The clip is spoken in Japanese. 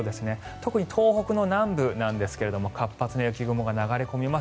特に東北の南部なんですが活発な雪雲が流れ込みます。